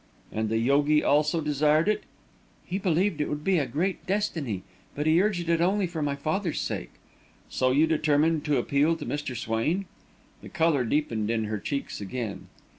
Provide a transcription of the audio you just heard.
"And the yogi also desired it?" "He believed it would be a great destiny. But he urged it only for my father's sake." "So you determined to appeal to Mr. Swain?" The colour deepened in her cheeks again.